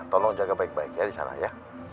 tolong jaga baik baik ya di sana ya